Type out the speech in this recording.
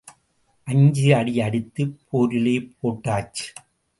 அஞ்சு அடி அடித்துப் போரிலே போட்டாச்சு.